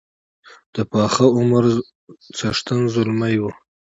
د پاخه عمر څښتن زلمی وو.